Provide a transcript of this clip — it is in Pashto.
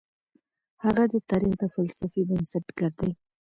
هغه د تاريخ د فلسفې بنسټګر دی.